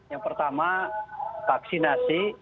yang pertama vaksinasi